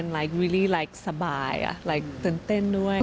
แล้วก็สบายตื่นเต้นด้วย